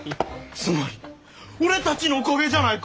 つまり俺たちのおかげじゃないか！